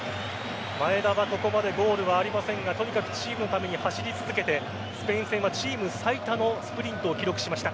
前田はここまでゴールはありませんがとにかくチームのために走り続けてスペイン戦はチーム最多のスプリントを記録しました。